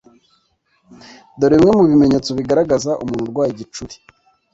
Dore bimwe mu bimenyetso bigaragaza umuntu urwaye igicuri